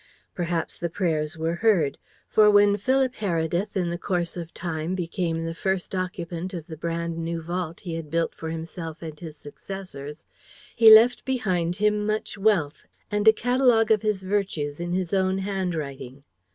Perhaps the prayers were heard, for, when Philip Heredith in the course of time became the first occupant of the brand new vault he had built for himself and his successors, he left behind him much wealth, and a catalogue of his virtues in his own handwriting.